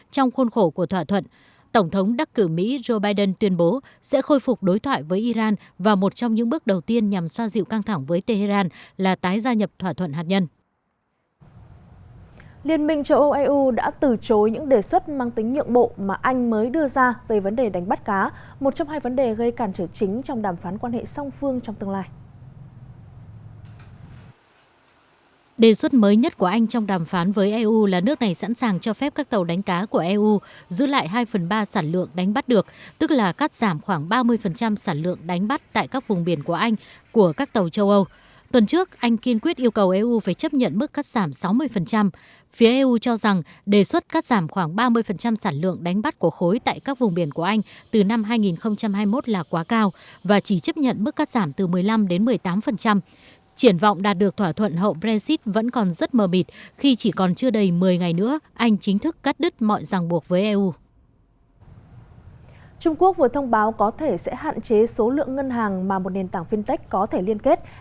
trung quốc vừa thông báo có thể sẽ hạn chế số lượng ngân hàng mà một nền tảng fintech có thể liên kết nhằm ngăn chặn khả năng thâu tóm quá nhiều thị phần của các công ty công nghệ